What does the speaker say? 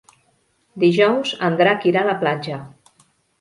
Dijous en Drac irà a la platja.